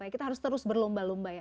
kita harus terus berlomba lomba ya